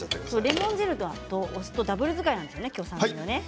レモン汁とお酢のダブル使いなんですよね。